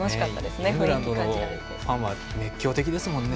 イングランドのファンは熱狂的ですものね。